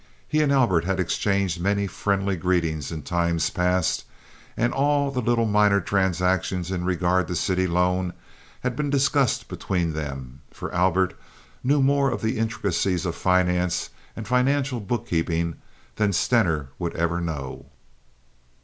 He and Albert had exchanged many friendly greetings in times past, and all the little minor transactions in regard to city loan had been discussed between them, for Albert knew more of the intricacies of finance and financial bookkeeping than Stener would ever know.